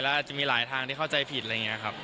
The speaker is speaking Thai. แล้วอาจจะมีหลายทางที่เข้าใจผิดอะไรอย่างนี้ครับ